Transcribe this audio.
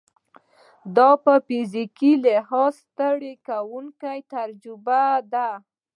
دا په فزیکي لحاظ ستړې کوونکې تجربه ده.